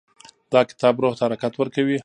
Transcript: دا کتاب روح ته حرکت ورکوي.